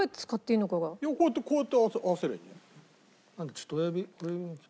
ちょっと親指。